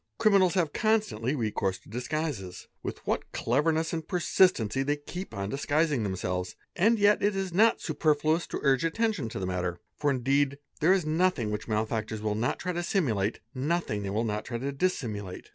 Criminals have constantly recourse to disguises. With what clever ness and persistency they keep on disguising themselves, and yet it 1 not superfluous to urge attention to the matter; for indeed there ~ nothing which malefactors will not try to simulate, nothing they will n¢ try to dissimulate.